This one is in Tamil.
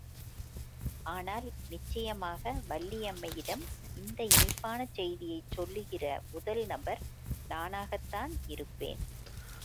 ஆனால், நிச்சயமாக வள்ளியம்மையிடம் இந்த இனிப்பான செய்தியைச் சொல்லுகிற முதல் நபர் நானாகத்தான் இருப்பேன்.